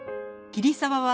桐沢。